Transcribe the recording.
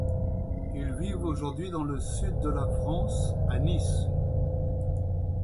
Ils vivent aujourd'hui dans le sud de la France à Nice.